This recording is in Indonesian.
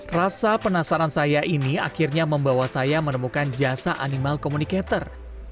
rasa penasaran saya ini akhirnya membawa saya menemukan jasa animal communicator